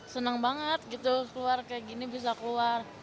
senang banget gitu keluar kayak gini bisa keluar